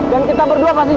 dan kita berdua pasti jatoh